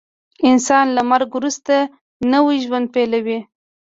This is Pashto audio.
انسان له مرګ وروسته نوی ژوند پیلوي